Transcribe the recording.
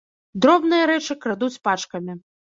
Дробныя рэчы крадуць пачкамі.